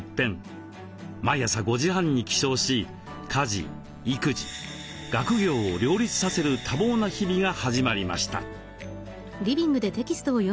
毎朝５時半に起床し家事育児学業を両立させる多忙な日々が始まりました。